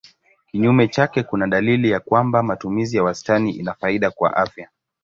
Kinyume chake kuna dalili ya kwamba matumizi ya wastani ina faida kwa afya.